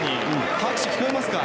拍手、聞こえますか？